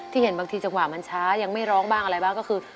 เห็นบางทีจังหวะมันช้ายังไม่ร้องบ้างอะไรบ้างก็คือ